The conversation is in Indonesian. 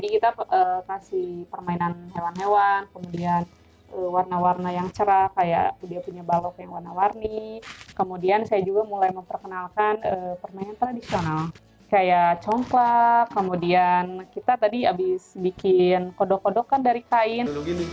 kita coklat kemudian kita tadi habis bikin kodok kodokan dari kain